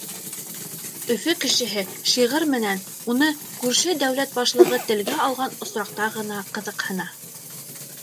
Өфө кешеһе шиғыр менән уны күрше дәүләт башлығы телгә алған осраҡта ғына ҡыҙыҡһына.